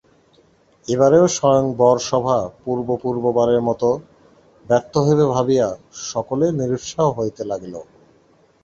এবারেও স্বয়ংবর-সভা পূর্ব পূর্ব বারের মত ব্যর্থ হইবে ভাবিয়া সকলেই নিরুৎসাহ হইতে লাগিল।